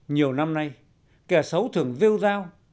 nhiều năm nay kẻ xấu thường rêu rao